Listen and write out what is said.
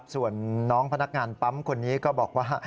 ส่วนน้องพนักงานปั๊มคนนี้ก็บอกว่า